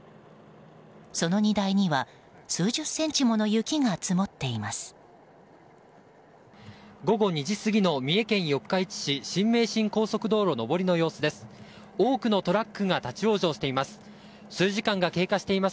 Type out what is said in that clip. その荷台には数十センチもの雪が積もっています。